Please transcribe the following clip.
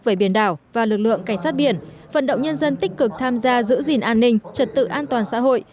về biển đảo và lực lượng cảnh sát biển vận động nhân dân tích cực tham gia giữ gìn an ninh trật tự an toàn xã hội